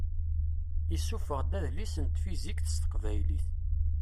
Isuffeɣ-d adlis n tfizikt s teqbaylit.